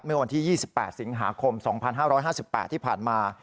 เมื่อวันที่๒๘สิงหาคม๒๕๕๘ที่ผ่านมา